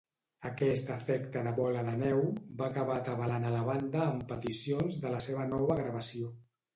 Aquest efecte de bola de neu va acabar atabalant a la banda amb peticions de la seva nova gravació.